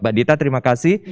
mbak dita terima kasih